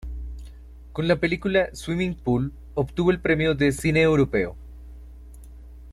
Con la película "Swimming pool" obtuvo el Premio de Cine Europeo.